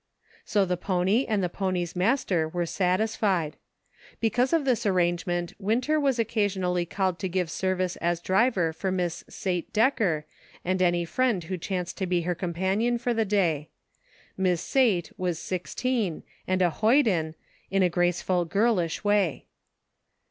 So the pony and the pony's master were satis fied. Because of this arrangement Winter was occasionally called to give service as driver for Miss Sate Decker and any friend who chanced to be 2IO SEEKING STEPPING STONES. her companion for the day. Miss Sate was six teen, and a hoyden, in a graceful, girlish way.